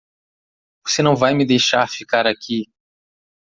Você não vai me deixar ficar aqui.